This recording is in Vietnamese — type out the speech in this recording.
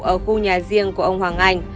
ở khu nhà riêng của ông hoàng anh